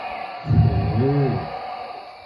Yukan: huw